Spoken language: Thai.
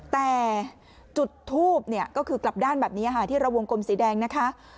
แต่จุดทูบเนี่ยก็คือกลับด้านแบบนี้ค่ะที่เราวงกลมสีแดงนะคะ